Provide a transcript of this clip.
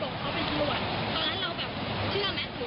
เขาก็เลยบอกเขาเป็นตำรวจ